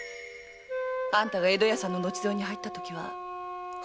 あんたが江戸屋さんの後添いに入ったときはホッとした。